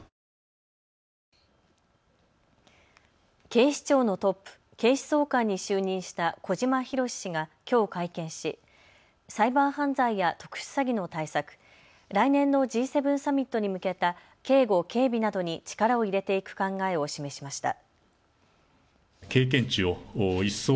警視庁のトップ、警視総監に就任した小島裕史氏がきょう会見しサイバー犯罪や特殊詐欺の対策、来年のＧ７サミットに向けた警護・警備などに力を入れていく考えを示しました。